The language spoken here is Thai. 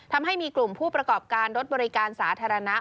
ทำให้มีกลุ่มผู้ประกอบการรถบริการสาธารณะ